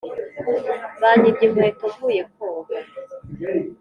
Banyibye inkweto mvuye koga